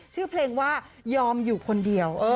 ชื่อเพลงว่ายอมอยู่คนเดียว